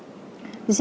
nah ini brigadir joshua